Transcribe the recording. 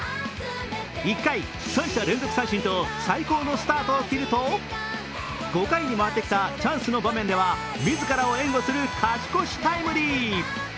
１回、３者連続三振と最高のスタートを切ると５回に回ってきたチャンスの場面では自らを援護する勝ち越しタイムリー。